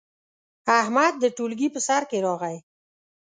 احمد د ټولګي په سر کې راغی.